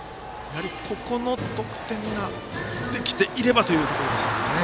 ここの得点ができていればというところでしたね。